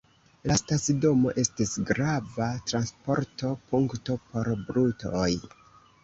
La stacidomo estis grava transporto-punkto por brutoj.